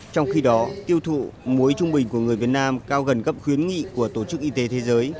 trong khi đó tiêu thụ muối trung bình của người việt nam cao gần gấp khuyến nghị của tổ chức y tế thế giới